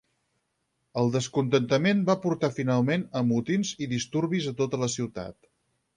El descontentament va portar finalment a motins i disturbis a tota la ciutat.